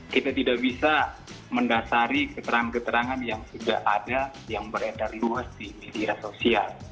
kita tidak bisa mendasari keterangan keterangan yang sudah ada yang beredar luas di media sosial